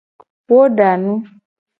Wo da nu.